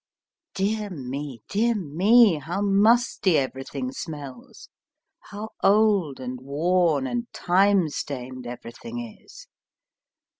Dear me ! dear me ! how musty everything smells ; how old, and worn, and time stained everything is.